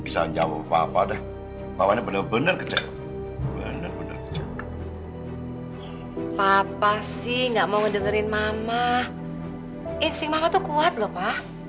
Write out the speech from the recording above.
sampai jumpa di video selanjutnya